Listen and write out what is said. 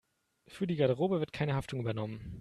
Für die Garderobe wird keine Haftung übernommen.